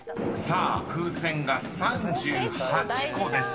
［さあ風船が３８個です］